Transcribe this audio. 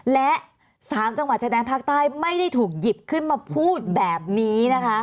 และ๓จังหวัดชายแดนภาคใต้ไม่ได้ถูกหยิบขึ้นมาพูดแบบนี้นะคะ